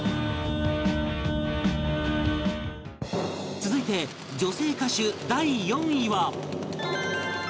続いて女性歌手第４位は